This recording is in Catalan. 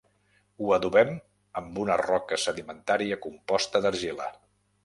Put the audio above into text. Ho adobem amb una roca sedimentària composta d'argila.